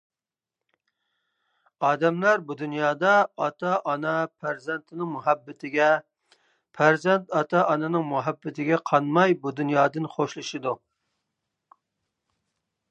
ئادەملەر بۇ دۇنيادا ئاتا-ئانا پەرزەنتنىڭ مۇھەببىتىگە، پەرزەنت ئاتا-ئانىنىڭ مۇھەببىتىگە قانماي بۇ دۇنيادىن خوشلىشىدۇ.